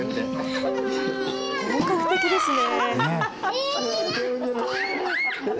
本格的ですね。